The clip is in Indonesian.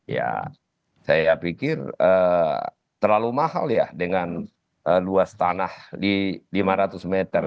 ya saya pikir terlalu mahal ya dengan luas tanah lima ratus meter